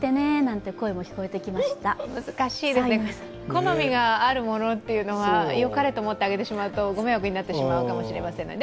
好みがあるものっていうのは、よかれと思ってあげてしまうと、ご迷惑になってしまうかもしれませんね。